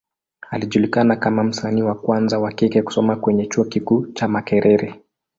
Alijulikana kama msanii wa kwanza wa kike kusoma kwenye Chuo kikuu cha Makerere.